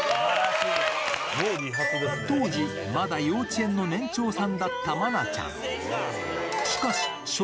当時、まだ幼稚園の年長さんだった愛菜ちゃん。